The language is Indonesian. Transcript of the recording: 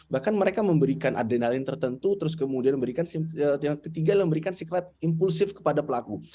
bahkan mereka memberikan adrenalin tertentu terus kemudian memberikan siklet impulsif kepada pelaku